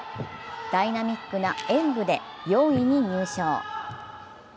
ダイナミックな演武で４位に入賞。